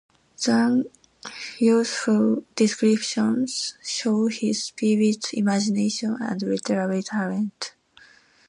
Zeng's youthful descriptions show his vivid imagination and literary talent.